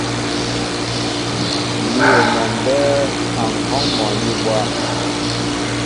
Míyə mɔ mbɛ́ɛ́ a ŋ̀hɔ́ŋ mɔní bwâm.